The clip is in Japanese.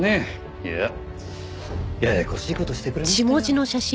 いやあややこしい事してくれましたよ。